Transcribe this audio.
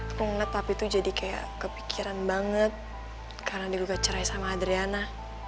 aku ngeliat tapi tuh jadi kayak kepikiran banget karena digugat cerai sama adriana